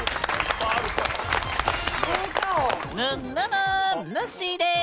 ぬっぬぬぬっしーです。